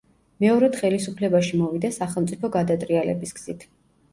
მეორედ ხელისუფლებაში მოვიდა სახელმწიფო გადატრიალების გზით.